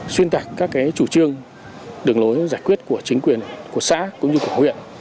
xuyên tạc các chủ trương đường lối giải quyết của chính quyền của xã cũng như của huyện